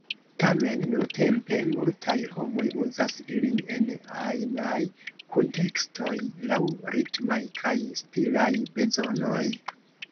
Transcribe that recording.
Tamen nuntempe multaj homoj uzas ilin en ajnaj kuntekstoj, laŭ ritmaj kaj stilaj bezonoj.